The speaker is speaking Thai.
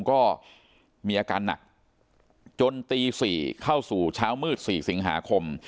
ก็มีอาการหนักจนตี๔เข้าสู่เช้ามืด๔สิงหาคม